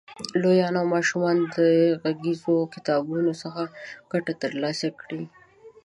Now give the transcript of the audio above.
لویان او ماشومان د غږیزو کتابونو څخه ګټه تر لاسه کړي.